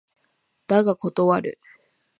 だが断る